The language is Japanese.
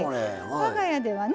我が家ではね